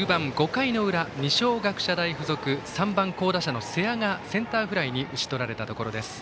５回裏、二松学舎大付属３番、好打者の瀬谷がセンターフライに打ち取られたところです。